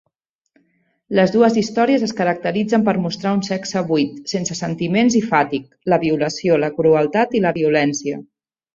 Les dues històries es caracteritzen per mostrar un sexe buit, sense sentiments i fàtic; la violació, la crueltat i la violència.